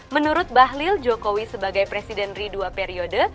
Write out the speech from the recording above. menurut bahlil jokowi sebagai presiden ri dua periode